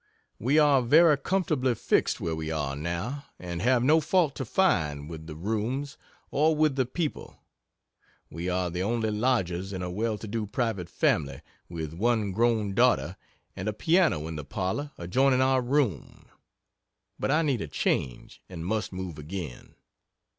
We are very comfortably fixed where we are, now, and have no fault to find with the rooms or with the people we are the only lodgers in a well to do private family, with one grown daughter and a piano in the parlor adjoining our room. But I need a change, and must move again.